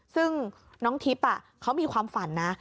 ซึ่งน้องทิพย์เขามีความฝันนะ